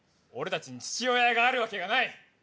俺たちに父親があるわけがない。